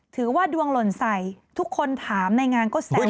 ถือว่าดวงหล่นใส่ทุกคนถามในงานก็แซว